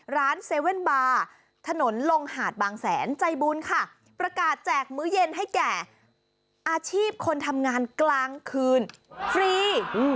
ร้าน๗๑๑บาร์ถนนลงหาดบางแสนใจบุญค่ะประกาศแจกมื้อเย็นให้แก่อาชีพคนทำงานกลางคืนฟรี